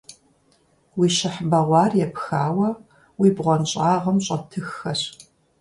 Уи щыхь бэгъуар епхауэ уи бгъуэнщӀагъым щӀэтыххэщ.